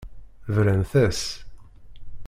Brant-as.